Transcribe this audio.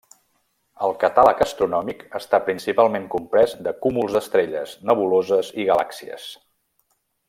El catàleg astronòmic està principalment comprès de cúmuls d'estrelles, nebuloses i galàxies.